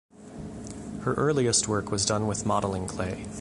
Her earliest work was done with modeling clay.